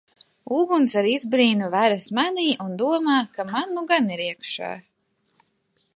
Uguns ar izbrīnu veras manī un domā, ka man nu gan ir iekšā.